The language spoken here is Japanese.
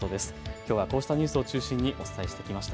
きょうはこうしたニュースを中心にお伝えしてきました。